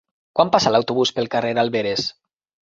Quan passa l'autobús pel carrer Alberes?